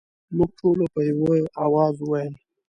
موږ ټولو په یوه اواز وویل.